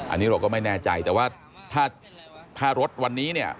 อันนี้เราก็ไม่แน่ใจแต่ว่าถ้ารถวันนี้เนี่ย